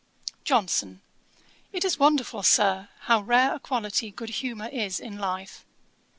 JOHNSON. 'It is wonderful, Sir, how rare a quality good humour is in life.